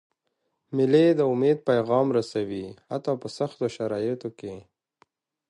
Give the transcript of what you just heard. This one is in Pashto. مېلې د امید پیغام رسوي، حتی په سختو شرایطو کي.